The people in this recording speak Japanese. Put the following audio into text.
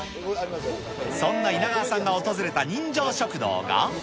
そんな稲川さんが訪れた人情食堂が。